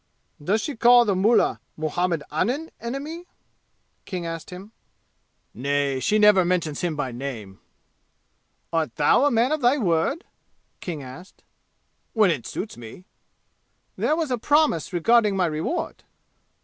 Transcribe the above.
"Does she call the mullah Muhammad Anim enemy?" King asked him. "Nay, she never mentions him by name." "Art thou a man of thy word?" King asked. "When it suits me." "There was a promise regarding my reward."